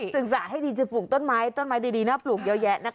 ศึกษาให้ดีจะปลูกต้นไม้ต้นไม้ดีน่าปลูกเยอะแยะนะคะ